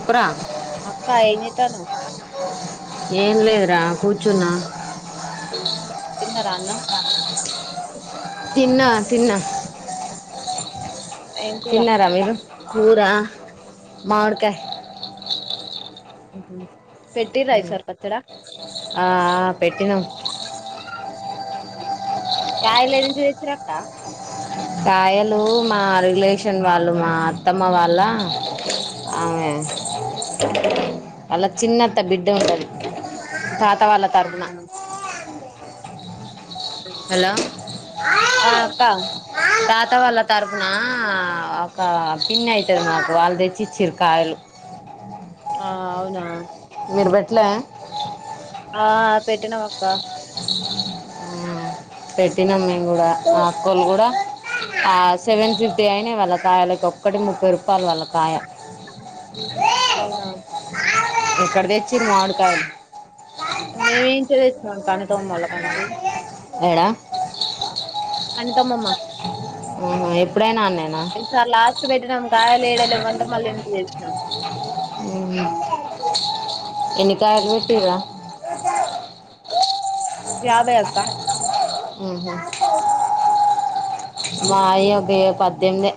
అప్పురా అక్క ఏ జీతానవ్ ఏన్లేదరా కూచునా తిన్నారా అన్నం తిన్నా తిన్న ఏం కూర తిన్నార మీరూ కూరా మడ్కాయ ఉ ఆ ఆ పెటీనం కాయలు ఏం జేసిరుక్క కాయలు మా రిలేషన్ వాళ్ళు మా అత్తమ్మ వాళ్ళ అమె అలా చిన్నత్త బిడ్డ ఉంటది పా అత్త వాళ్ళ తారుదున్నా హలో ఆ అక్క అత్త వాళ్ళ తరపున ఒక పిన్ని అయితది మాకు వాళ్ళు తెచ్చిర్రు కాయలు ఆ అవునా మీరు పెట్లే ఆ పెట్టినం అక్క పెట్టినమా మేమ్ కూడా అక్కలో కూడా సెవెన్ ఫిఫ్టీ అయినా వాళ్ళకాయలకి ఒక్కటి ముప్పై రూపాయలు వాళ్ళకాయ అవునా ఇక్కడ తెచ్చిరు మావూడికాయ మేమేం చే చేస్తున్నాం కనితమ్మళ్ళ కంచి ఏడ అనుపమ్మమ్మా ఎప్పుడైనా అన్నేనా ఒకసార్ లాస్ట్ పెట్టినాం కాయలు ఏడ లేవు అంటే ఏడేలు వేసినాము ఉ ఎన్ని కాయలు పెట్టరా ఏబై అక్క ఉహు మయి ఒక్క పడేనిమిది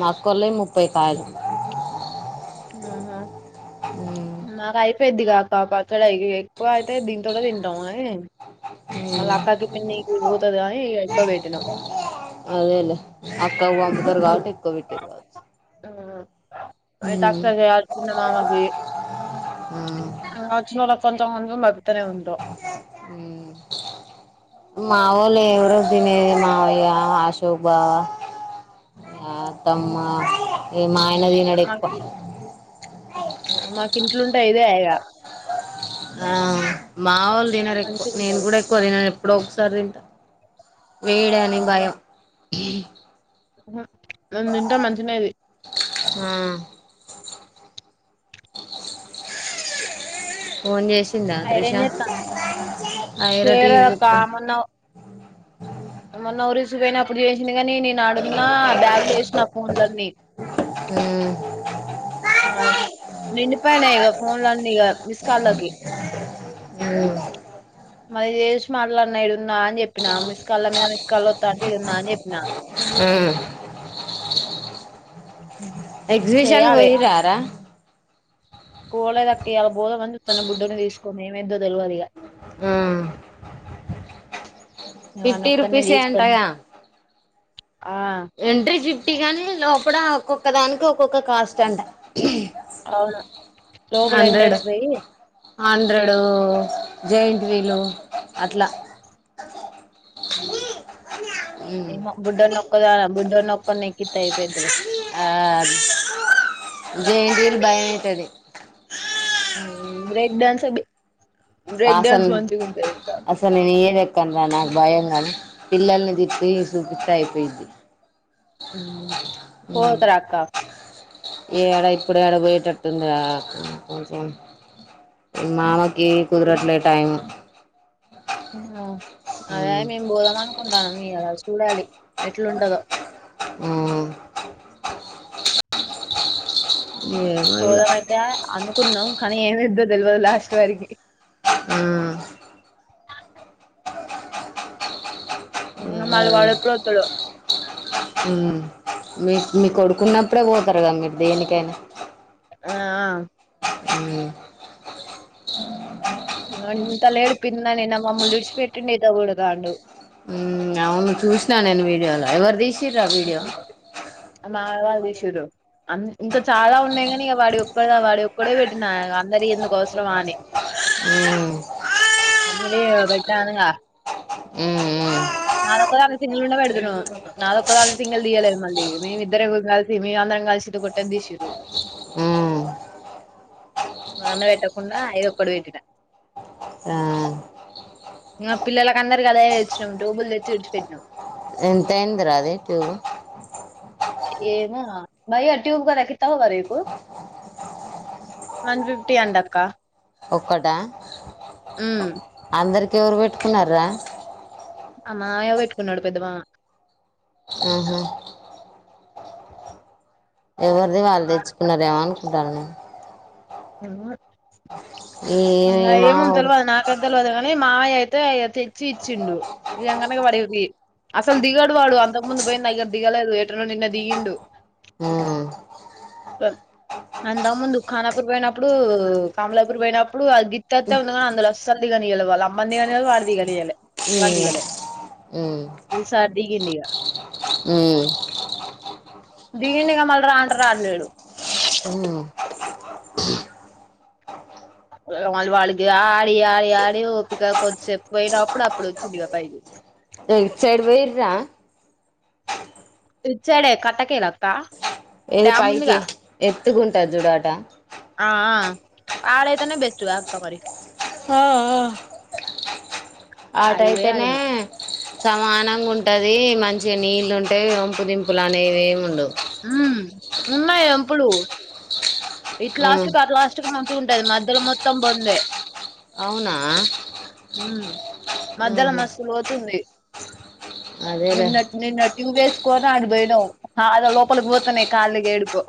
మా అక్కోలి ముపై కాయలు ఉమ్. ఉహు పెద్దదిగా కాపాక్కడై ఎక్కువ అయితే దీని త తింటాము అన్ని మళ్ళీ ఉమ్. అక్కాకి పిన్నికి పోతుంది అని అయిపో పెట్టినం అదేలే అక్క పంపుతారు కావట్టి ఎక్కువ పెట్టటిరు కావచ్చు అయి ఉమ్. తటారు చిన్న మామకు ఉమ్. ఆ వచ్చినోలా కొంత మంది మతనే ఉంటాం ఉమ్. మా వాళ్ళు ఎవరు తినేది మావయ్య అశోక్ బావ ఆ అత్తమ్మ ఇక మా ఆయన ఎక్కువ తినడు మాకి ఇంట్లుంటే ఇదే ఆయగా ఆ మా వాళ్ళు దినరు ఎక్కువ నేను మంచిగుంటది కూడా ఎక్కువ తిన ఎ ఇప్పుడు ఒకసారి తింట వేయడానికి భయం నే తింట మంచినేది ఆ ఫోన్ చేసి తింద త్రిష ఐరన్ చేత్తాంది ఆయ రటి చేయలేదక్క ఇత్త మొన్న మొన్న ఉరిసు పోయినప్పుడు చేసినవి అందుకనే నేను ఆడున్న బ్యాగులు వేసిన నా ఫోన్లన్నీ ఇగ ఉమ్ ఆగు నిండిపోయినా ఇగ ఫోన్ లోన్నీ ఇగ మిస్ కా లోకి హుహు మరి ఏ చూసి మాట్లాడిన ఈడ ఉన్న అని చెప్పిన మిస్ కాళ్ళ మీద మిస్ కాళ్ళు వత్త అంటే ఈడ ఉన్న అని చెప్పినా హుమ్ ఎగ్జిబిషన్ కి చేయాలె పోయిరారా? పోలేదు అక్క ఈయాల పోదామని చూస్తున్నా బుడ్డోన్ని తీసుకొని ఏమైందో తెలివదు ఈగ ఆ వాన్ని ఫిఫ్టీ ఒక్కన్నే రుపీస్ తీసుకొని ఏంటగా ఆ ఎంట్రీ ఫిఫ్టీ గానీ లోపల ఒక్కొక్క దానికి ఒక్కొక్క కాస్ట్ అంట. అవునా లోకల్ ఎంట్రన్స్ పోయి ఆంధ్రుడు జైంట్ వీలు అట్లా ఉమ్ ఏమో బుడ్డోనోక్కదాన బుడ్డోడు నొక్క నెక్కితే అయిపోతదిలే ఆ జయంతిలు భయమయితది. ఆ బ్రేక్ డాన్స అది అసలు అసలు నేను ఏది ఎ లే కన్నా నాకు భయం కానీ పిల్లల్ని తిప్పి చూపిస్తా అయిపోయింది. పోత రా అక్క ఈ ఏడ ఇప్పుడు ఏడ పోయేటట్టుందా హుహు మామ ఈ కుదరట్లే టైం అదే మ్మ్ మేము పోదాం అనుకుంటానుం ఈయాల చూడాలి. ఎట్లుంటదో హూ ఏమో ఇగ పోదామైతే అనుకున్నాం కానీ ఏమిద్దో తెలివదు లాస్ట్ వారికి హూ మళ్ల వాడు ఎప్పుడు వో త్తడో ఉమ్ మీ మీ కొడుకున్నప్పుడే పోతారు కదా మీరు దేనికైనా ఆ ఆ. హూ ఇంతలెడిపింది న నా మమ్మల్లు ఇడిచి పెట్టటిండి ఇదా ఉడుగాండు మ్ అవును చూసినా నేను వీడియోలో ఎవరు తీసి మా మామయ్య వాళ్ళు తీసి చూడు అన్ ఇంకా చాలా ఉన్నాయి గాని ఇక వాడి ఒక్కడ వాడి ఒక్కడే పెట్టిన అందరి ఎందుకు అవసరమా అని హూ అందరి యీ పెట్టాను గా ఉమ్ ఉ నాదొక్కదాన్ని సింగిల్ ఉంటే పెడుతున్నావ్ నాది ఒక్కదా అంది సింగిల్ తీయలేదు మళ్ళీ మేమి ఇద్దరం కలిసి మేము అందరం కలిసిది కొట్టే తీసిల్లు ఉమ్ నాన్న పెట్టకుండా అఐదక్కడు పెట్టిన ఆ ఇంగ పిల్లలలకు అందరికి అదే తెచ్చినం టూబుల్ తెచ్చి విడిచి పెట్నాం ఎంతయిందిరా అది టూబ్ ఏమో నా మరి టూబ్ నాకు ఇస్తావా మరి రేపు వన్ ఫిఫ్టీ అంట అక్క ఒక్కట ఉమ్ అందరికి ఎవరు పెట్టుకున్నరా మా మామయ్య పెట్టుకున్నాడు పెద్ద మావ ఆహ ఎవరిది వాళ్ళు తెచ్చుకున్నారేమో అనుకుంటారు నేను ఏమో నేను ఇంగ ఈ ఏమ మావోడు తెలివదు నాకై తెలియదు కానీ మావయ్య అయితే ఇగా తెచ్చి ఇచ్చిండు ఈయంగానే వాడు ఎగిరిండు అసలు దిగడు వాడు అంతకు ముందు పోయిన దిగలేదు ఎట్రనో నిన్న దిగిండు హ అంద ముందు దుఃఖానా అ పోయినప్పుడు కమ్లరి పోయినప్పుడుఆ గిత్తతస్ అందులో అసలు దిగనీయల వాలు అమ్మందిగాని దిగాలి ఎ ఉమ్ ఉమ్ ఈసారి ఉమ్ దిగిండుగా మళ్ళ రాంట రాలేడు వాళ్ళ వాళ్ళకి ఆడి ఆడి ఆడిక ఓపిక కొద్దిసేపు పోయినప్పుడు అప్పుడు వచ్చిందిక పై ఇట్ సైడ్ పోయిర్రా వచ్చాడే కట్టకలక్క ఏది పైకి ఎత్తుకుంటారు చుడ ఆట ఆ ఆడయితేనే బెస్ట్ కా అక్కా మరి ఆ ఆ ఆడికి పోయి ఆటయితేనే ఆడినం సమానంగా ఉంటది మంచిగా నీళ్ళు ఉంటే వంపుదింపులు అనేవిమి ఉండవు ఉ ఉన్నాయి వంపులు ఇట్ లాస్ట్ ఉమ్ క అట్ లాస్ట్ కు మంచిగా ఉంటది మధ్యలో మొత్తం పొందే అవునా మధ్యలో ఉహు మస్తు పోతుంది అదేలే విన్నట్టు నిన్నట్టు ఇం వేసుకోని ఆడి పోయడం అద లోపలికి పోతన్నాయి కాళ్ళకి ఏడుకో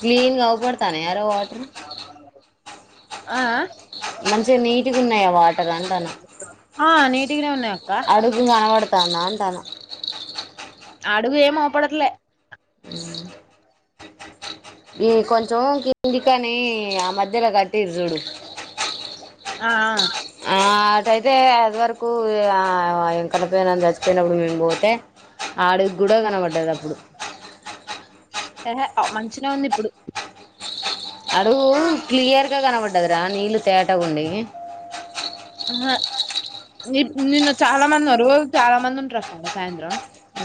క్లీన్ గా ఊబడతా యారో ఆ మంచిగా నీటుగా ఉన్నాయా వాటర్ అంటన ఆ నీటికిిన ఉన్నయ్ అడుగు కనబడతాందా అంటాన ఆడుగు ఏమో పడట్లే ఈ కొంచెం కిందికని ఆ మధ్యలో కట్టిరు చూడు ఆ ఆ అట్టైతే అదివరకు ఎంకడ పోయిన చచ్చిపోయినప్పుడు మేము పోతే ఆడి కూడా కనపడ్డది అప్పుడు హ మంచిగనే ఉంది ఇప్పుడు అడుగు క్లియర్గా కనపడ్డదిరా నీళ్లు తేటగ ఉండి ఆ నిన్న చాలా మంది ఉ రోజు చాలా మంది ఉంటరు వస్తును సాయంత్రం ఊ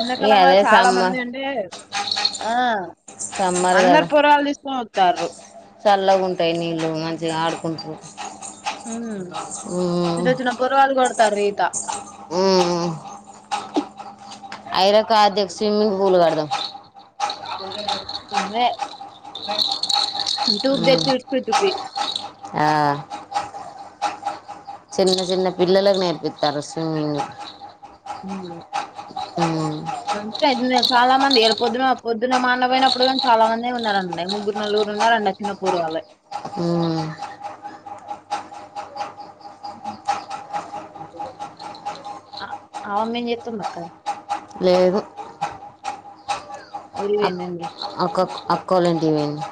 ఎండకాలం వల చాలా మంది అండి ఆ సమ్మర్ అందరు కదా పూర వాతలు చల్లగా ఉంటాయి నీళ్ళు మంచిగా ఆడుకుంటు ఉహు చిన్న చిన్న పోరగాళ్ళు కొడతారు ఈత ఉ ఐరాకాద్య స్విమ్మింగ్ పూల్ కడదాం వే టూప్ పేటి ఏడిచిపెటర్రు ఆ చిన్న చిన్న పిల్లలకు నేర్పిస్తారు స్విమ్మింగ్ టాయ్ చాలా మంది ఏళ్ళ పొద్దున పొద్దున మాన్న పోయినప్పుడు కాని చాలా మంది ఉన్నారు రంటేనే ముగ్గురు నలుగురు ఉన్నారండి చిన్న పోరగాళ్లు ఉ అమ్మమ్మ ఏం జెస్తుంది అక్క లేదు ఊరు అక్ పోయిందా అక్క అక్క వాళ్ళ ఇంటికి పోయింది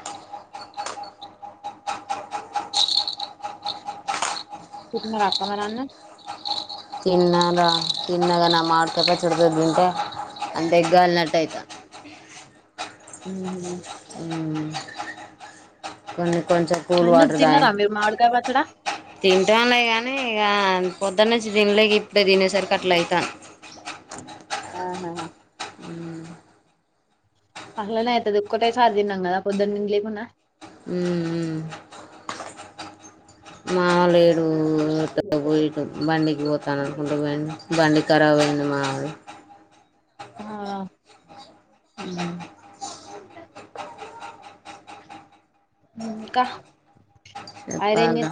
తిన్నారా అక్క మరి అన్నం తిన్నార తిన్నగా మా మామిడికాయ పచ్చడి తో తిను ఉంటే అంత ఎగ్గాలినట్టయితే అ కొన్ని కొంచెం కూల్ ఎందుకు వాటర్ తాగిన తిన్నారా మీరు మామిడికాయ పచ్చడా తింటాలే కానీ ఇక పొద్దున్నంచి తినలేకి ఇప్పుడే తినేసరి ఆట్లే అయితది [inaudible] ఆహా అట్లనే అయితది ఒక్కసారే తిన్నాను కదా పొద్దున్నుంచి లేకున్నా ఉ మామలేడు పోయ బండికి పోతాను అనుకుంటూ పో బండి ఖరాబ్ అయింది మాది ఆ అ [inaudible] కా చెప్పాలి రా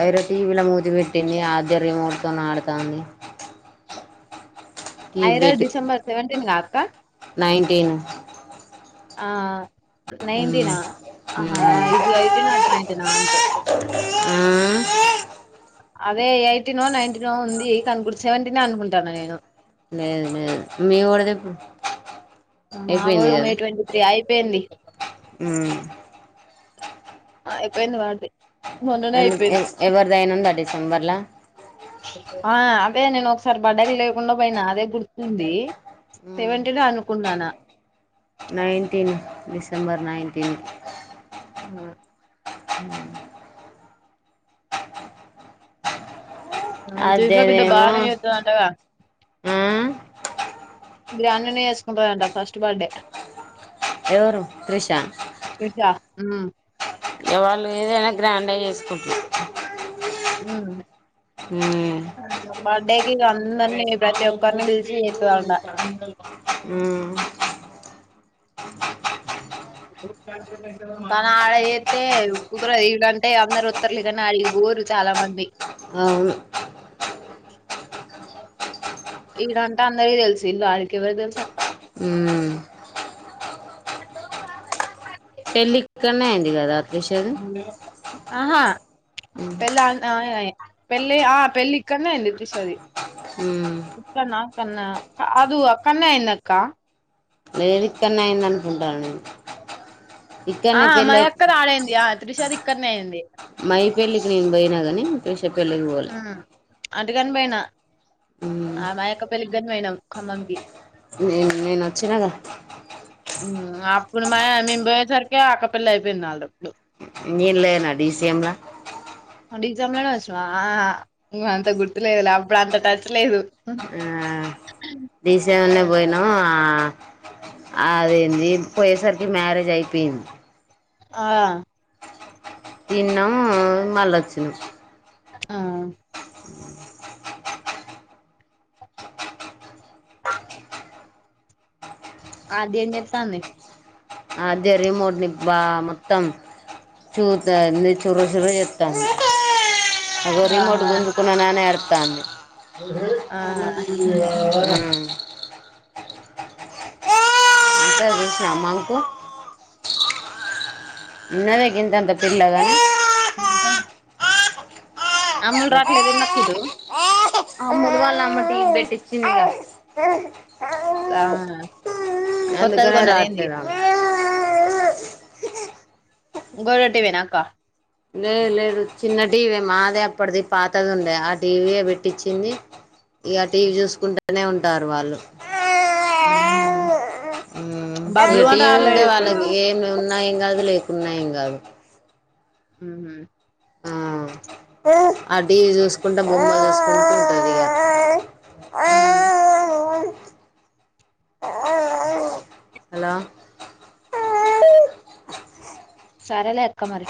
ఆయిరతి ఇవాలా పొద్దున్న వద్దు పెట్టింది ఆద్య రిమోట్ తోని ఆడుతది ఐరా డిసెంబర్ సెవెటీన్ గా అక్క నైన్ంటీన్ ఆ నైటీన్ ఆహ మ్మ్ ఇడిది ఎయిటీన్ నాది నైటీన్ అంతే ఆ అదే ఎయిటీన్ నైన్టీన్ ఉంది అనుకు సెవెంటీన్ అనుకుంటాను నేను లేదు లేదు మే వొడిదే మావోడు మే ట్వంటీ త్రీ అయిపోయింది మ్మ్ ఆ ఎయిపోయింది వాడిది మొన్ననే ఎందు ఎ అయిపోయింది ఎవరిదైన ఉందా డిసెంబర్లా ఆ అదే నేను ఒకసారి బడ్డకి లేకుండా పోయినా అదే గుర్తుంది మ్మ్ సేవేంటీన్ అనుకున్నానా నైన్టీన్ డిసెంబర్ నైన్టీన్ ఆ ఆ దీపిక బిడ్డ అదేదేమో బానే చెత్తదాంతగా ఆ గ్రాండ్గానే చేసుకుంటాందంట ఫస్ట్ బర్త్డే ఎవరు క్రిషా త్రిష. హ్మ్. వాళ్ళు ఏదైనా గ్రాండ్గ చేసుకుంటారు హ్మ్ ఉమ్ బర్డే అందర్న్నే ప్రతి ఒక్కరిని పీల్చి చెత్తదంట హ్మ్ తనడాచేతే కుదరదు ఇడాంటే అందరు ఒతర్లే కానీ ఆడికిపోరు చాలా మంది అవును [inaudible] ఇడ్డాన్టే అందరికి తెలిసు ఇల్లు అడికెవరు తెలుసక్క ఉమ్ పెళ్ళక్కనే అయింది కదా తీర్షది ఆహా పెళ్ళి ఆ ఆ పెళ్ళక్కన్న అండి తీర్షది హమ్ అట్లా నా కన్నా కాదు అక్కనే అయిందక్క లేదుఇక్కన్నా అయింది అనుకుంటాను నేను ఆ ఇక్కడనే పెళ్ళి అయితే మనక్కది అడే అయింది ఆ త్రిషది ఇక్కడనే అయింది మని పెళ్ళికి నేను పోయినా గాని త్రిష పెళ్ళికి పోలే అందుకని పోయ్నా ఉమ్ ఆ మాఅక్క పెళ్లిక్గాని పోయినాం ఖమ్మంకి నేను నేను వచ్చినగా అప్పుడు మాయా మేము పోయేసరికె ఆక్కపెళ్లి అయిపోయింది నాల్గప్పుడు నేనులేనా డిసియంలా డిసియంలోనే వచ్న్నావా ఆ ఉ అంత గుర్తు లేదు అప్పుడు అంత టచ్ లేదు డిసియంనే పోయిన ఆ అదేంది పోయేసరికి మ్యారేజ్ అయిపోయింది ఆ తిన్నం మళ్ళొచిన్నం ఆ అర్డియన్డెక్స్ ఆమె అదే రిమోట్ని బా మొత్తం చూతాఅన్నీ చర చరు చెత్తాంది ఆగో ఆ రిమోట్ గుంజుకున్నఅనీ ఏడుతంది ఆ హ్మ్ అంతే చూసిన అమ్మాకు ఉన్నదే గింతంత పిల్లాగాని ఇంకా అమ్లు రాట్లేఏనాకిటు ముందు వాళ్ళ అమ్మకి టి పెట్టిచ్చిందిగా ఆ కొత్తది అందుకనే కొన్నది ఏంది రావట్లేదు ఆమె ఇంకోటీవీ యేనక్కా లేదు లేదు చిన్న టీవీ మాదే అప్పటిది పాతది ఉండే ఆ టీవీయే పెట్టించింది ఇగ టీవీ చూసుకుంటేనే ఉంటారు వాళ్ళు. ఉమ్. ఉమ్ ఇగ బబ్లు అని టీవీ ఉంటే రాట్లేదు ఇప్పుడు వాళ్ళకి ఏమున్నా. ఉన్నా ఏం కాదు లేకున్నా ఏం కాదు. ఆహ్. ఆహ్ ఆ టీవి చూసుకుంట బొమ్మలు చూసుకుంట ఉంటుంది ఇగ. ఉమ్. హలో. సరేలే అక్క మరి